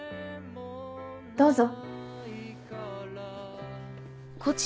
どうぞ。